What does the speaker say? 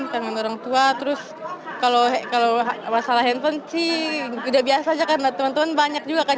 kangen orang tua terus kalau masalah handphone sih udah biasa aja karena teman teman banyak juga kan